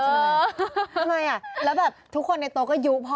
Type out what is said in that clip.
อย่างงั้นอ่ะแล้วแบบทุกคนในโต๊ะก็ยุช์พ่อ